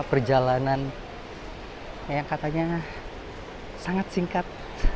perjalanan yang katanya sangat singkat